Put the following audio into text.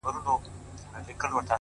اوس مي د زړه قلم ليكل نه كوي ـ